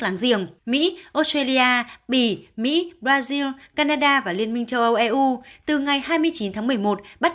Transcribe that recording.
láng giềng mỹ australia bỉ mỹ brazil canada và liên minh châu âu eu từ ngày hai mươi chín tháng một mươi một bắt